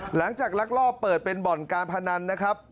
ลักลอบเปิดเป็นบ่อนการพนันนะครับ